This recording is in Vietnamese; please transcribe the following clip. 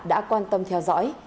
đã quan tâm theo dõi